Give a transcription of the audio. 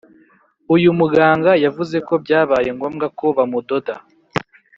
uyu muganga yavuze ko byabaye ngombwa ko bamudoda